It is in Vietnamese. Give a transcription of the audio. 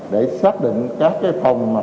để xác định các cái phòng mà